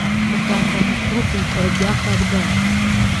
muganga mukuru ku bitaro bya Kabgayi